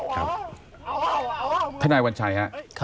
ท่านนายวัญชัยครับ